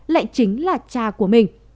lại chính là cha của mình